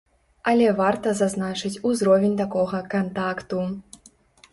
Але варта зазначыць узровень такога кантакту.